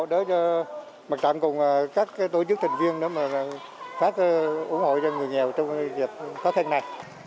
đó là mặt trạm cùng các tổ chức thành viên đó mà phát ủng hộ cho người nghèo trong dịch covid một mươi chín này